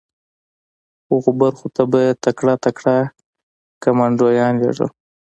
هغو برخو ته به یې تکړه تکړه کمانډویان لېږل